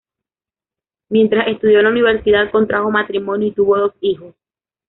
Mientras estudió en la universidad, contrajo matrimonio y tuvo dos hijos.